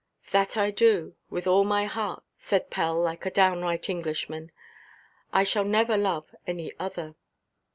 "That I do, with all my heart," said Pell, like a downright Englishman. "I shall never love any other."